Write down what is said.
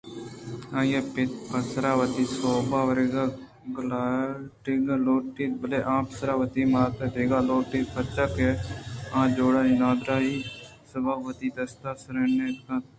آئی ءِ پت پیسرا وتی سوپ ءُورگاں گلاٹگ لوٹیت بلئے آ پیسرا وتی مات ءَ دیگ لوٹ اِت پرچاکہ آجوڑانی نادُرٛاہیءِ(Reheumatism) سبب ءَ وتی دستاں سُرینت نہ کنت